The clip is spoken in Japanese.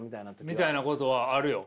みたいなことはあるよ。